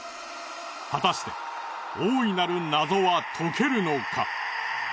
果たして大いなる謎は解けるのか？